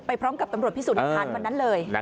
พร้อมกับตำรวจพิสูจน์หลักฐานวันนั้นเลย